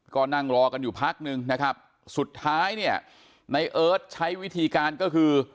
ก็นั่งรอกันอยู่พักนึงสุดท้ายในเอิร์ทใช้วิธีการก็คือ